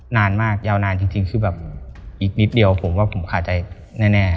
นานมากยาวนานจริงอีกนิดเดียวผมค่าใจแน่